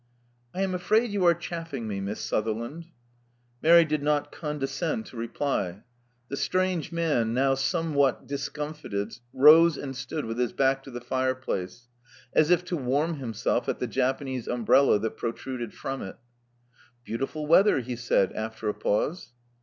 "I am afraid you are chaffing me, Miss Sutherland." Mary did not condescend to reply. The strange man, now somewhat discomfited, rose and stood with his back to the fireplace, as if to warm himself at the Japanese umbrella that protruded from it. ''Beautiful weather," he said, after a pause.